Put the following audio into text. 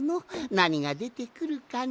なにがでてくるかな？